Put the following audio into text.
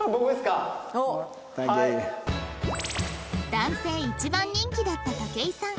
男性一番人気だった武井さん